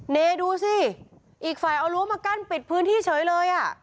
เนดูสิอีกฝ่ายเอารั้วมากั้นปิดพื้นที่เฉยเลยอ่ะ